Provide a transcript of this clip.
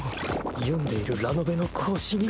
読んでいるラノベの更新が。